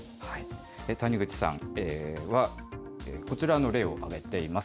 谷口さんはこちらの例を挙げています。